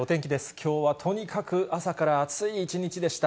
きょうはとにかく朝から暑い一日でした。